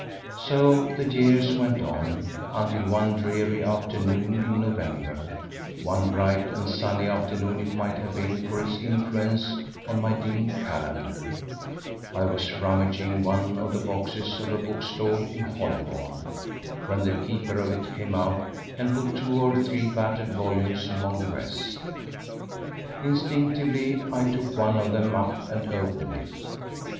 So years went on, until one dreary afternoon in November one bright and sunny afternoon it might have been for its influence on my dim calendar I was rummaging one of the boxes of a bookstall in Holborn, when the keeper of it came out and put two or three battered volumes among the rest. Instinctively I took one of them up and opened it.